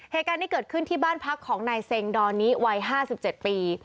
เหตุการณ์นี้เกิดขึ้นที่บ้านพักของนายเซ็งดอนิวัย๕๗ปี